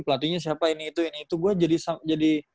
pelatihnya siapa ini itu ini itu gue jadi